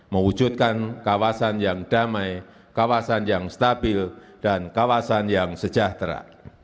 mewujudkan kawasan yang damai kawasan yang stabil dan kawasan yang sejahtera